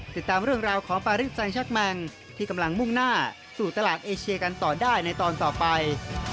ติดตามเรื่องราวของปาริสไซชักแมงที่กำลังมุ่งหน้าสู่ตลาดเอเชียกันต่อได้ในตอนต่อไป